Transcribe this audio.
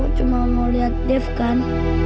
cuma mau lihat dev kan